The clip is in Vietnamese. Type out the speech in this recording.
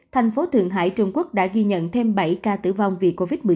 thành phố thượng hải trung quốc đã ghi nhận thêm bảy ca tử vong vì covid một mươi chín